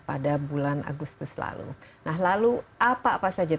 pemerintah myanmar juga menawarkan solusi untuk pemerintah myanmar